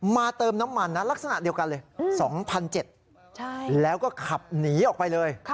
เติมน้ำมันนะลักษณะเดียวกันเลย๒๗๐๐แล้วก็ขับหนีออกไปเลย